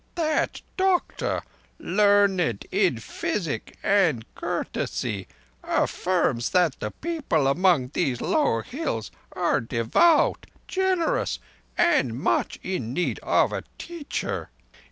"That doctor, learned in physic and courtesy, affirms that the people among these lower hills are devout, generous, and much in need of a teacher.